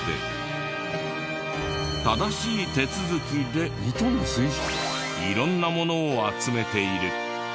正しい手続きで色んなものを集めている。